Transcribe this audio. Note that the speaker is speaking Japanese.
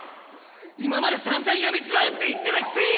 今までさんざん辞めちまえって言ってたくせに！